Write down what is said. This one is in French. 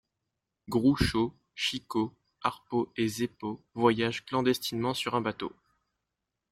Groucho, Chico, Harpo et Zeppo voyagent clandestinement sur un bateau.